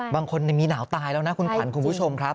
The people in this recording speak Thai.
บางคนมีหนาวตายแล้วนะคุณขวัญคุณผู้ชมครับ